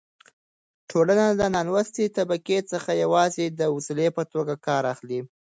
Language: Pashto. ټولنه له نالوستې طبقې څخه يوازې د وسيلې په توګه کار اخلي.